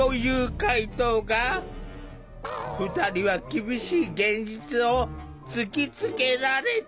２人は厳しい現実を突きつけられた。